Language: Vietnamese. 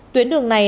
tuyến đường này